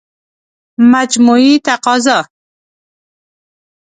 مجموعي تقاضا